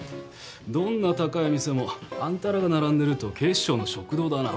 どんな高い店もあんたらが並んでると警視庁の食堂だな。